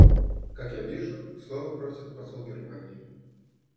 Как я вижу, слова просит посол Германии.